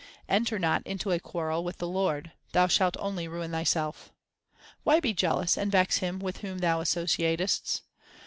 Enter not into a quarrel with the Lord ; thou shalt only ruin thyself. Why be jealous and vex him with whom thou associatest